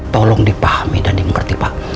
tolong dipahami dan dimengerti pak